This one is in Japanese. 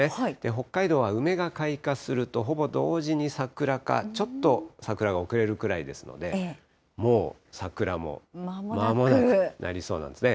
北海道は梅が開花すると、ほぼ同時に桜か、ちょっと桜が遅れるくらいですので、もう桜もまもなくになりそうなんですね。